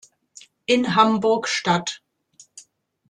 In Hamburg-St.